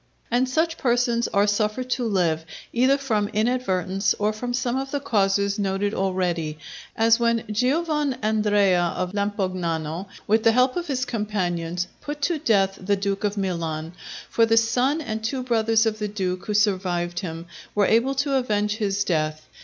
And such persons are suffered to live, either from inadvertence, or from some of the causes noted already, as when Giovann' Andrea of Lampognano, with the help of his companions, put to death the Duke of Milan. For the son and two brothers of the Duke, who survived him, were able to avenge his death.